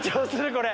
これ。